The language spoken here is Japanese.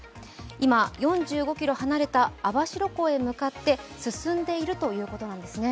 今、４５ｋｍ離れた網走港へ向かって進んでいるということなんですね。